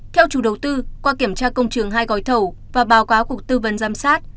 theo chủ đầu tư qua kiểm tra công trường hai gói thầu và báo cáo cuộc tư vấn giám sát